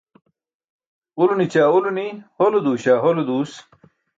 Ulo nićaa ulo ni, hole duuśaa hole duus.